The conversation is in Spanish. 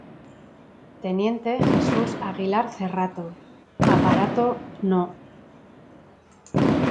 Teniente Jesús Aguilar Cerrato, aparato No.